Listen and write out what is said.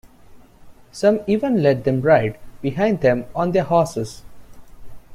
Some even let them ride behind them on their horses.